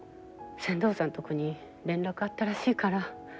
船頭さんとこに連絡あったらしいから。